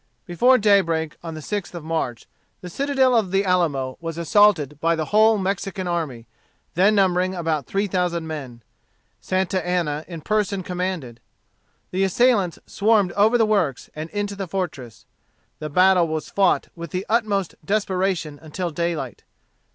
Before daybreak on the 6th of March, the citadel of the Alamo was assaulted by the whole Mexican army, then numbering about three thousand men. Santa Anna in person commanded. The assailants swarmed over the works and into the fortress. The battle was fought with the utmost desperation until daylight.